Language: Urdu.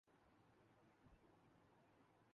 اور اردو میں اس کا ترجمہ نبات خانہ کیا